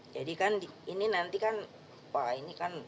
jadi kan ini nanti kan wah ini kan